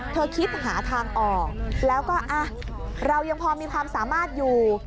คิดหาทางออกแล้วก็เรายังพอมีความสามารถอยู่